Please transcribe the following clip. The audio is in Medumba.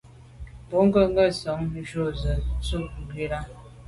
Bônke’ nke nson ju ze bo tù’ ngù là.